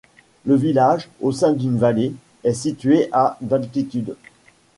Le village, au sein d'une vallée, est situé à d'altitude.